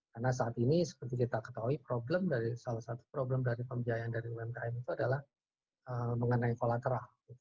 karena saat ini seperti kita ketahui problem dari salah satu problem dari pembiayaan dari umkm itu adalah mengenai kolateral